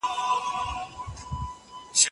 د سږو سرطان تشخیص مخکې پیل کېږي.